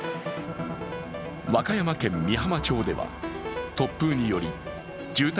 和歌山県美浜町では突風により住宅